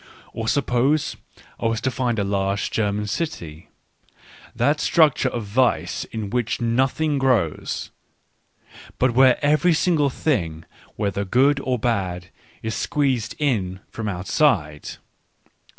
Or sup pose I were to find a large German city — that structure of vice in which nothing grows, but where every single thing, whether good or bad, is squeezed in from outside.